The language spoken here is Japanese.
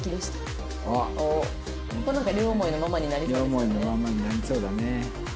両思いのまんまになりそうだね。